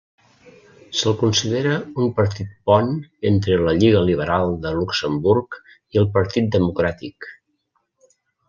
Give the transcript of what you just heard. Se'l considera un partit pont entre la Lliga Liberal de Luxemburg i el Partit Democràtic.